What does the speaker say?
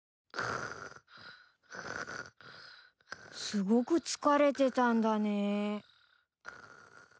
すごく疲れてたんだね。